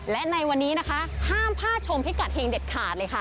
และในวันนี้นะคะห้ามผ้าชมพิกัดเฮงเด็ดขาดเลยค่ะ